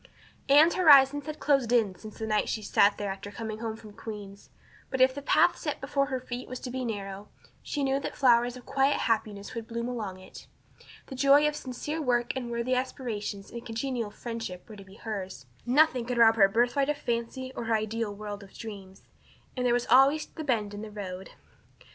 Anne's horizons had closed in since the night she had sat there after coming home from Queen's; but if the path set before her feet was to be narrow she knew that flowers of quiet happiness would bloom along it. The joy of sincere work and worthy aspiration and congenial friendship were to be hers; nothing could rob her of her birthright of fancy or her ideal world of dreams. And there was always the bend in the road!